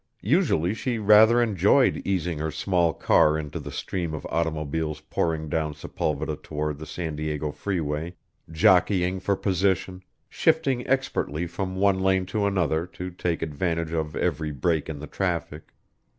Usually she rather enjoyed easing her small car into the stream of automobiles pouring down Sepulveda toward the San Diego Freeway, jockeying for position, shifting expertly from one lane to another to take advantage of every break in the traffic.